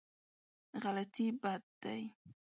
غلطي بد دی.